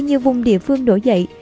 nhiều vùng địa phương nổi dậy